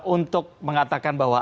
untuk mengatakan bahwa